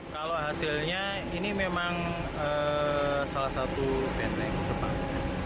kalau hasilnya ini memang salah satu benteng sepak